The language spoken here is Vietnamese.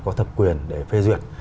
có thập quyền để phê duyệt